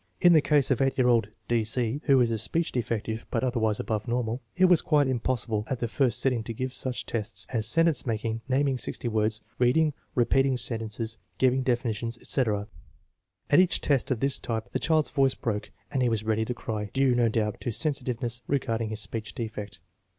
In the case of 8 year old D. C., who is a speech defective but otherwise above normal, it was quite impossible at the first sitting to give such tests as sentence making, naming sixty words, reading, repeating sentences, giving definitions, etc.; at each test of this type the child's voice broke and he was ready to cry, due, no doubt, to sensitiveness regarding his speech defect.